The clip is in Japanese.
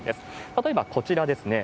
例えばこちらですね。